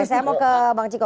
saya mau ke bang ciko